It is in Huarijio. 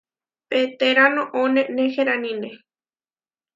Peterá noʼó neneheránine.